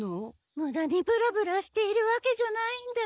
ムダにブラブラしているわけじゃないんだ。